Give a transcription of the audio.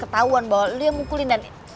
ketahuan bahwa lo yang mukulin dan